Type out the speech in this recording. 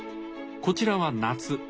こちらは夏。